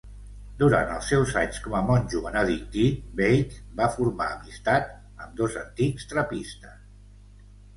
Durant els seus anys com a monjo benedictí, Veitch va formar amistats amb dos antics trapistes.